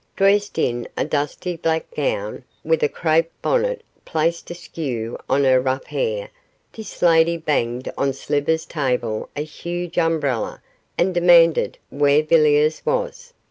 Dressed in a dusty black gown, with a crape bonnet placed askew on her rough hair, this lady banged on Slivers' table a huge umbrella and demanded where Villiers was.